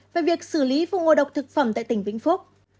về việc xử lý vụ ngộ độc thực phẩm tại tỉnh vĩnh phúc